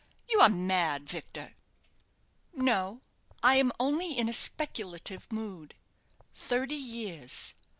You are mad, Victor!" "No; I am only in a speculative mood. Thirty years!